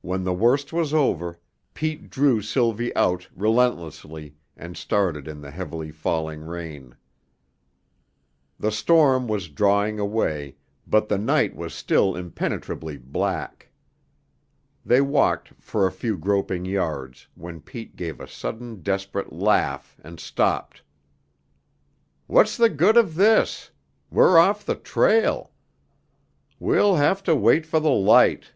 When the worst was over, Pete drew Sylvie out relentlessly and started in the heavily falling rain. The storm was drawing away, but the night was still impenetrably black. They walked for a few groping yards when Pete gave a sudden desperate laugh and stopped. "What's the good of this! We're off the trail. We'll have to wait for the light.